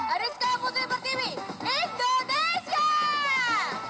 ariska putri pertiwi indonesia